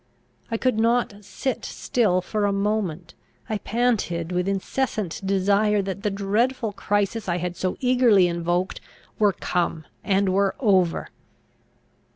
I could not sit still for a moment. I panted with incessant desire that the dreadful crisis I had so eagerly invoked, were come, and were over.